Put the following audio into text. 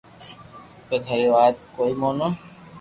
اپي ٿارو وات ڪوئي مونو